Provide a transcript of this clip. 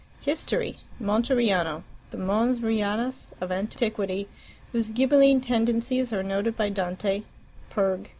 History: Monteriano, the Mons Rianus of Antiquity, whose Ghibelline tendencies are noted by Dante (Purg.